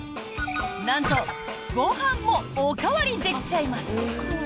なんとご飯もおかわりできちゃいます。